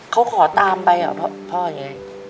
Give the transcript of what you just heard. เขาขอตามไปเหรอพ่อยังไง